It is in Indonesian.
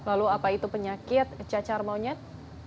lalu apa itu penyakit cacar monyet